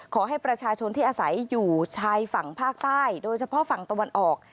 ขอให้ประชาชนที่อาศัยอยู่ชายฝั่งภาคใต้โดยเฉพาะฝั่งตะวันออก